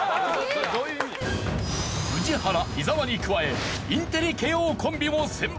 宇治原伊沢に加えインテリ慶應コンビも選抜。